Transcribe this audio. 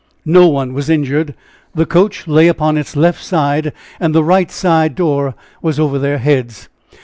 No one was injured; the coach lay upon its left side, and the right side door was over their heads.